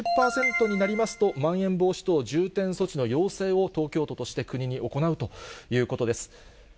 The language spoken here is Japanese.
２０％になりますと、まん延防止等重点措置の要請を東京都として国に行うということです。